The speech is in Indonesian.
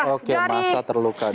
oke masa terluka disitu